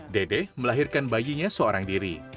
dede melahirkan bayinya seorang diri